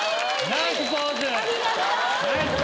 ナイスポーズよ。